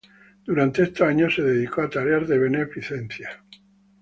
Durante esos años se dedicó a tareas de beneficencia.